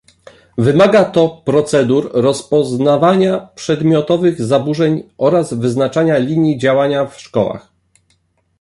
Wymaga to procedur rozpoznawania przedmiotowych zaburzeń oraz wyznaczenia linii działania w szkołach